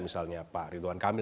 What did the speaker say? misalnya pak ridwan kamil